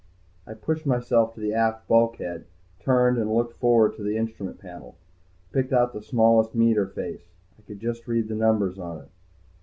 I pushed myself to the aft bulkhead, turned and looked forward to the instrument panel. I picked out the smallest meter face. I could just read the numbers on it.